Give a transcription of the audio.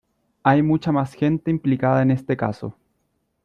Hay mucha más gente implicada en este caso.